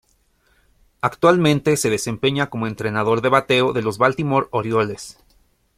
Actualmente se desempeña como entrenador de bateo de los Baltimore Orioles.